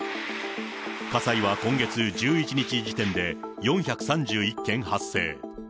火災は今月１１日時点で４３１件発生。